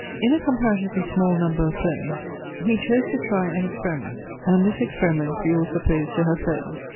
In a comparatively small number of poems he chose to try an experiment; and this experiment we will suppose to have failed.